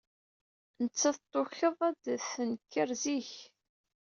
Nettat tukeḍ ad d-tenker zik.